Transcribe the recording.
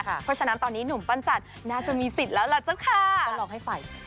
เออเธอก็ไม่ติดนะจ้ะเพราะว่าเธอก็บอกว่าตัวเองเนี่ยก็โสดมาสักพักนึงแล้วทำไมเนี่ย